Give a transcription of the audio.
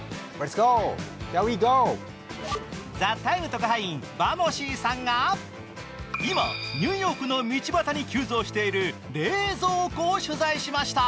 特派員バモシーさんが今、ニューヨークの道端に急増している冷蔵庫を取材しました。